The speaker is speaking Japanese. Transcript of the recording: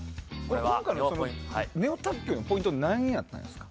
今回のネオ卓球のポイントは何やったんですか。